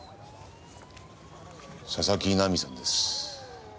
佐々木奈美さんです。